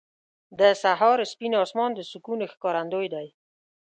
• د سهار سپین اسمان د سکون ښکارندوی دی.